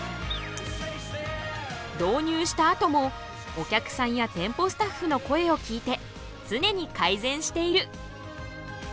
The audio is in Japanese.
導入したあともお客さんや店舗スタッフの声を聞いて常に改善している。